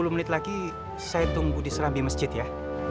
sepuluh menit lagi saya tunggu di serambi masjid ya